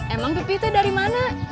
emang bibi itu dari mana